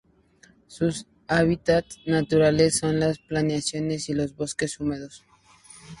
Sus hábitats naturales son las plantaciones y los bosques húmedos.